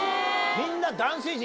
みんな。